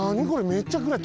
めっちゃくらい。